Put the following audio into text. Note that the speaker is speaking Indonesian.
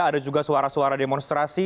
ada juga suara suara demonstrasi